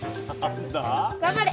頑張れ！